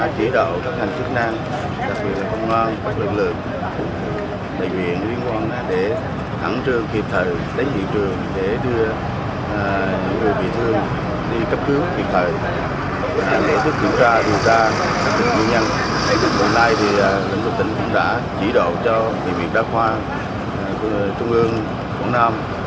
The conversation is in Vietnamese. chỉ đạo cho bệnh viện đa khoa trung ương quảng nam